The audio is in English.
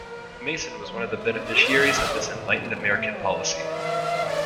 Maasin was one of the beneficiaries of this enlightened American policy.